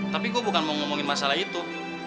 tapi gue bukan mau ngomongin masalah itu